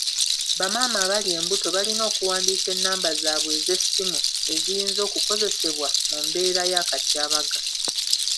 Bamaama abali embuto balina okuwandiika ennamba zaabwe ez'essimu eziyinza okukozesebwa mu mbeera y'akatyabaga.